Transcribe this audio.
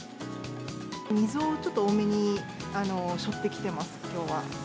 水をちょっと多めにしょってきています、きょうは。